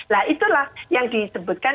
nah itulah yang disebutkan